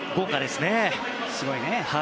すごいね。